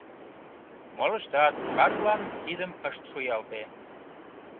Молыштат картлан кидым ышт шуялте.